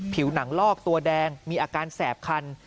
ผิวหนังลอกตัวแดงมีอาการแสบคัน